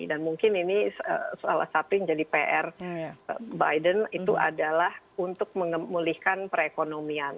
dan mungkin ini salah satunya jadi pr biden itu adalah untuk mengemulihkan perekonomian